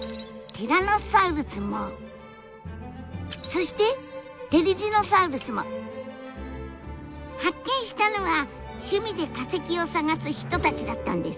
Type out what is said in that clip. ティラノサウルスもそしてテリジノサウルスも発見したのは趣味で化石を探す人たちだったんです。